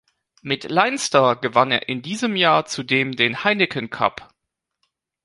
Mit Leinster gewann er in diesem Jahr zudem den Heineken Cup.